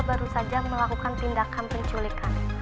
baru saja melakukan tindakan penculikan